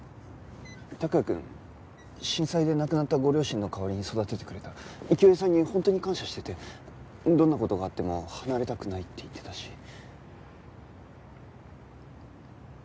託也くん震災で亡くなったご両親の代わりに育ててくれた清江さんに本当に感謝しててどんな事があっても離れたくないって言ってたし。